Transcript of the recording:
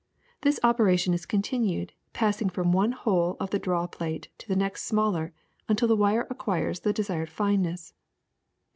This operation is continued, passing from one liole of the draw plate to the next smaller, until the wire acquires the deisired fineness.